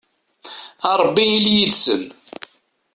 a rebbi ili yid-sen